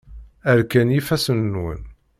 Rkan yifassen-nwen.